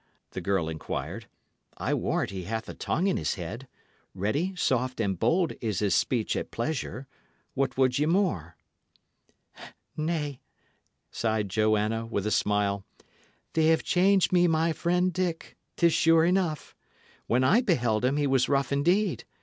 the girl inquired. "I warrant he hath a tongue in his head; ready, soft, and bold is his speech at pleasure. What would ye more?" "Nay," sighed Joanna, with a smile, "they have changed me my friend Dick, 'tis sure enough. When I beheld him, he was rough indeed.